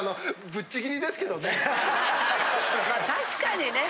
確かにね。